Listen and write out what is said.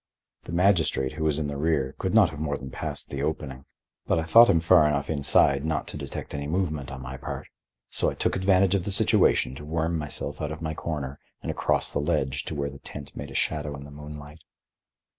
The magistrate, who was in the rear, could not have more than passed the opening, but I thought him far enough inside not to detect any movement on my part, so I took advantage of the situation to worm myself out of my corner and across the ledge to where the tent made a shadow in the moonlight.